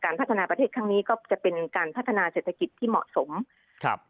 พัฒนาประเทศครั้งนี้ก็จะเป็นการพัฒนาเศรษฐกิจที่เหมาะสมครับ